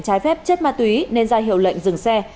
trái phép chất ma túy nên ra hiệu lệnh dừng xe